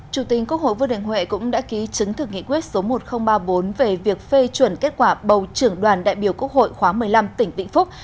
chủ tịch quốc hội vương đình huệ cũng đã ký chứng thực nghị quyết số một nghìn ba mươi bốn về việc phê chuẩn kết quả bầu trưởng đoàn đại biểu quốc hội khóa một mươi năm tỉnh vĩnh phúc